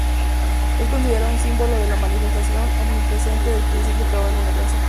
Es considerado un símbolo de la manifestación omnipresente del principio creador del universo.